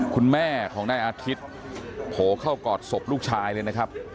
คุณแม่ของนายอาทิตย์โผล่เข้ากอดศพลูกชายเลยนะครับ